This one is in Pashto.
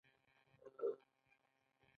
د مصارفو کموالی د ادارې له اهدافو څخه دی.